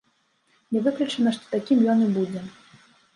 Не выключана, што такім ён і будзе.